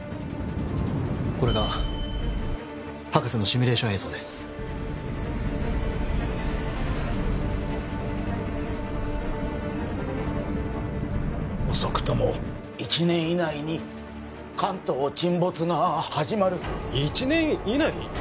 これが博士のシミュレーション映像です遅くとも１年以内に関東沈没が始まる１年以内！？